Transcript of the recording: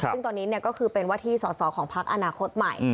ซึ่งตอนนี้เนี่ยก็คือเป็นวัฒีสอดของพักอนาคตใหม่